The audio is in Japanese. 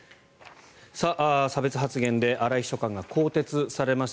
差別発言で荒井秘書官が更迭されました。